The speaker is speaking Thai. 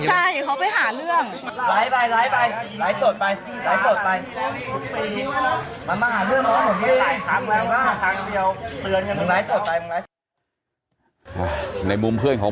ใช่เขาไปหาเรื่อง